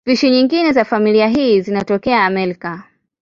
Spishi nyingine za familia hii zinatokea Amerika.